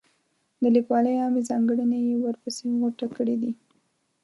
د لیکوالۍ عامې ځانګړنې یې ورپسې غوټه کړي دي.